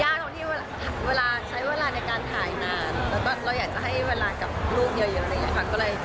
ตรงที่เวลาใช้เวลาในการถ่ายนานแล้วก็เราอยากจะให้เวลากับลูกเยอะอะไรอย่างนี้ค่ะ